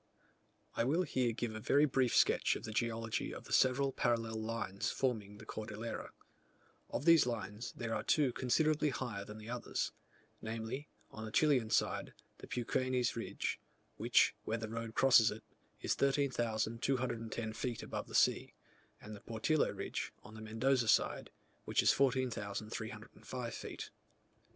I will here give a very brief sketch of the geology of the several parallel lines forming the Cordillera. Of these lines, there are two considerably higher than the others; namely, on the Chilian side, the Peuquenes ridge, which, where the road crosses it, is 13,210 feet above the sea; and the Portillo ridge, on the Mendoza side, which is 14,305 feet.